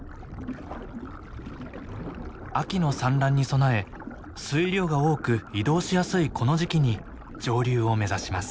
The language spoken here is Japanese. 秋の産卵に備え水量が多く移動しやすいこの時期に上流を目指します。